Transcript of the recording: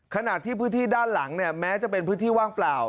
ขณะที่พื้นที่ด้านหลังเนี่ยแม้จะเป็นพื้นที่ว่างเปล่า